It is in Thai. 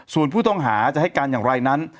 ส่วนผู้ต้องหาจะให้การอย่างไรนั้น